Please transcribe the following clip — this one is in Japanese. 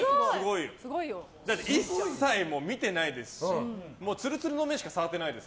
一切見てないですしツルツルの面しか触ってないです。